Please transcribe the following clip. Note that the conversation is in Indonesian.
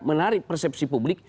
menarik persepsi publik